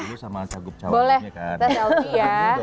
boleh kita selfie ya